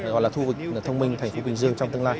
gọi là khu vực thông minh thành phố bình dương trong tương lai